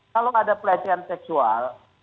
kalau ada pelatihan seksual